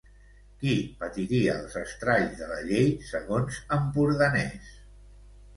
Qui patiria els estralls de la llei segons Ampurdanès?